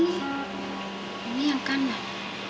ini yang kanan